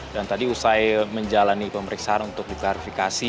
dan tadi usai menjalani pemeriksaan untuk dikarifikasi